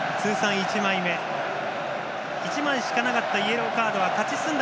１枚しかなかったイエローカードは勝ち進んだ